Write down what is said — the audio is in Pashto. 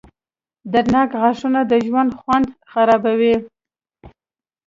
• دردناک غاښونه د ژوند خوند خرابوي.